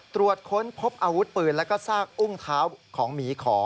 ตรวจค้นพบอาวุธปืนแล้วก็ซากอุ้งเท้าของหมีขอ